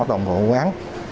đồng hộ quán